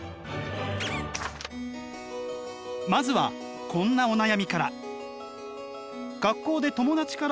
まずはこんなお悩みから。